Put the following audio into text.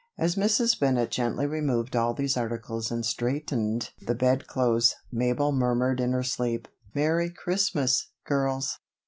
As Mrs. Bennett gently removed all these articles and straightened the bed clothes Mabel murmured in her sleep, "Merry Christmas, girls."